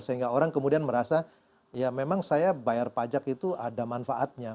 sehingga orang kemudian merasa ya memang saya bayar pajak itu ada manfaatnya